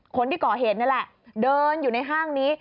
คนที่ก่อเหตุนี่แหละเดินอยู่ในห้างนี้